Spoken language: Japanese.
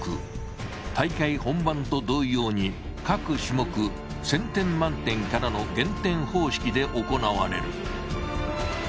大会本番と同様に各種目１，０００点満点からの減点方式で行なわれる。